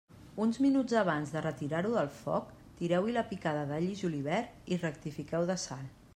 Uns minuts abans de retirar-ho del foc, tireu-hi la picada d'all i julivert i rectifiqueu de sal.